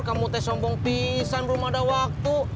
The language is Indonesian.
kamu teh sombong pisan belum ada waktu